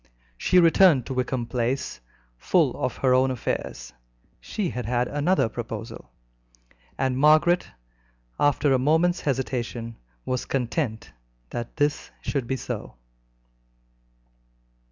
She returned to Wickham Place full of her own affairs she had had another proposal and Margaret, after a moment's hesitation, was content that this should be so.